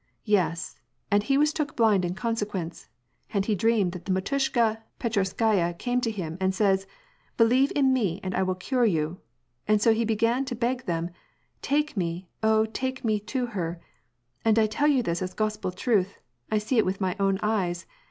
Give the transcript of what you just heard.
Yes, and he was took blind in consequence. And he dreamed that the mdtushka Petchorskaya * came to him and says :* Be lieve in me and I will cure you.' And so he began to beg them :* Take me, oh take me to her.' And I tell you this as gospel truth — I see it with my own eyes.